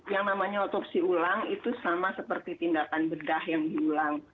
yang namanya otopsi ulang itu sama seperti tindakan bedah yang diulang